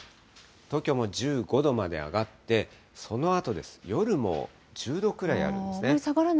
東京も１５度まで上がって、そのあとです、夜も１０度くらいあるんですね。